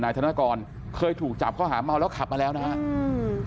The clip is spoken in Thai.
ธนกรเคยถูกจับข้อหาเมาแล้วขับมาแล้วนะครับ